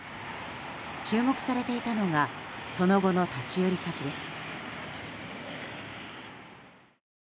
注目されていたのがその後の立ち寄り先です。